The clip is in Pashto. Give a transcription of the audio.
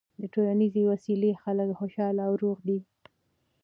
د ټولنیزې وصلۍ خلک خوشحاله او روغ دي.